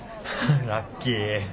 ラッキー。